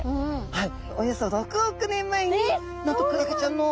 はい。